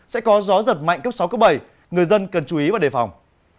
sẽ có gió giật mạnh cấp sáu cấp bảy người dân cần chú ý và đề phòng